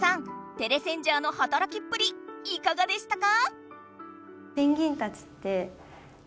テレセンジャーのはたらきっぷりいかがでしたか？